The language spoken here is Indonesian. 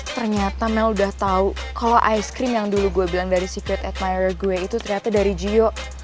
ternyata mel udah tau kalo es krim yang dulu gue bilang dari secret admirer gue itu ternyata dari gio